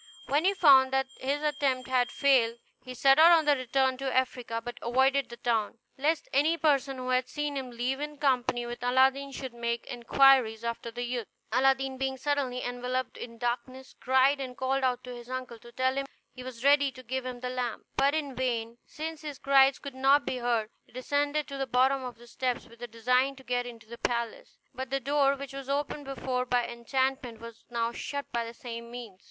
When he found that his attempt had failed, he set out to return to Africa, but avoided the town, lest any person who had seen him leave in company with Aladdin should make inquiries after the youth. Aladdin being suddenly enveloped in darkness, cried, and called out to his uncle to tell him he was ready to give him the lamp; but in vain, since his cries could not be heard. He descended to the bottom of the steps, with a design to get into the palace, but the door, which was opened before by enchantment, was now shut by the same means.